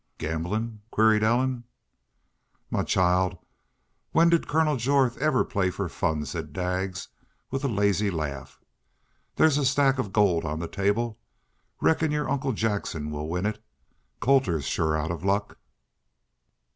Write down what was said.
"Gamblin'?" queried Ellen. "Mah child, when'd Kurnel Jorth ever play for fun?" said Daggs, with a lazy laugh. "There's a stack of gold on the table. Reckon yo' uncle Jackson will win it. Colter's shore out of luck."